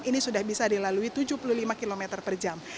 ini sudah bisa dilalui tujuh puluh lima km per jam